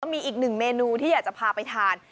มีอีกหนึ่งเมนูที่อยากจะพาไปทาน